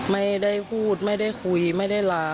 ไม่ได้พูดไม่ได้คุยไม่ได้ลา